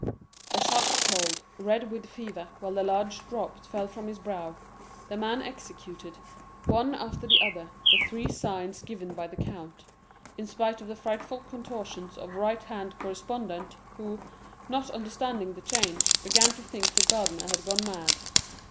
The shot told; red with fever, while the large drops fell from his brow, the man executed, one after the other, the three signs given by the count, in spite of the frightful contortions of the right hand correspondent, who, not understanding the change, began to think the gardener had gone mad.